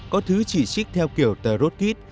có thứ chỉ trích theo kiểu tờ rốt kít